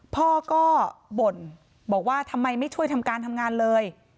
พ่อก็บ่นบอกว่าทำไมไม่ช่วยทำการทำงานเลย